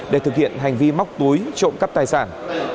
để thực hiện hành vi móc túi trộm cắp tài sản